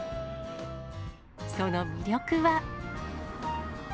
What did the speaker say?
その魅力は。